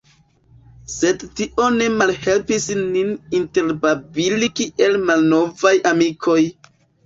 Sed tio ne malhelpis nin interbabili kiel malnovaj amikoj.